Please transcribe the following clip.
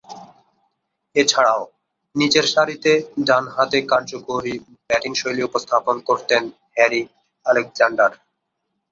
এছাড়াও, নিচেরসারিতে ডানহাতে কার্যকরী ব্যাটিংশৈলী উপস্থাপন করতেন হ্যারি আলেকজান্ডার।